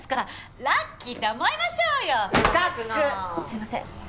すいません。